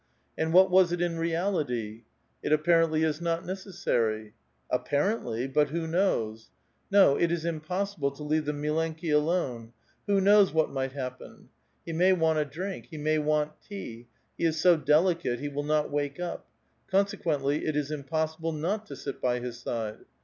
And what was it in reality ? ''It apparently is not necessary"; apparently^ but who knows ? No ; it is imix>ssil>le to leave the mlleuki alone ! Who knows what might happen ? He may want a drink, ho may want tea ; he is so delicate, he will not wake up ; conse quently, it is impossible not to sit by his side.